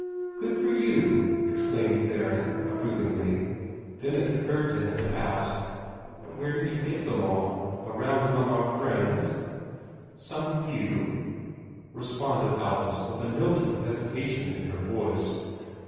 "Good for you!" exclaimed Theron, approvingly. Then it occurred to him to ask, "But where did you get them all? Around among our friends?" "Some few," responded Alice, with a note of hesitation in her voice.